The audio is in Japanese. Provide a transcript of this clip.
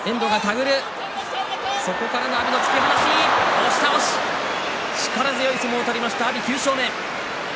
押し倒し力強い相撲を取りました、阿炎９勝目。